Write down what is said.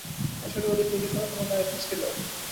আসলে, ওদের তৈরি করা তোমার দায়িত্ব ছিল।